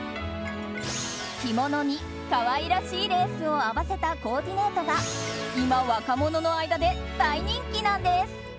着物に可愛らしいレースを合わせたコーディネートが今、若者の間で大人気なんです。